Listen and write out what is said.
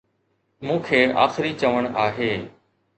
مون کي آخري چوڻ آهي.